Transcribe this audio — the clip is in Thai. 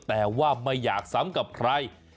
แต่ว่าไม่อยากซ้ำกับใคร